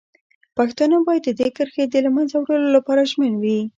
پښتانه باید د دې کرښې د له منځه وړلو لپاره ژمن وي.